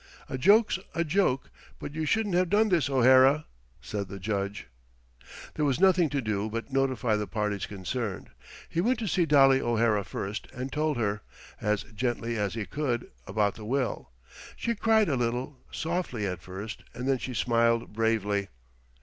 "A joke's a joke, but you shouldn't have done this, O'Hara!" said the Judge. There was nothing to do but notify the parties concerned. He went to see Dolly O'Hara first and told her, as gently as he could, about the will. She cried a little, softly, at first, and then she smiled bravely.